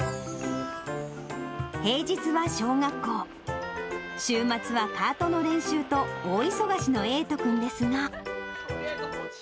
平日は小学校、週末はカートの練習と、大忙しの瑛斗君ですが。